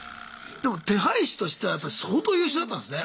でも手配師としてはやっぱ相当優秀だったんですね。ね！